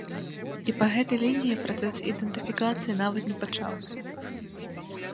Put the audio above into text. І па гэтай лініі працэс ідэнтыфікацыі нават не пачаўся.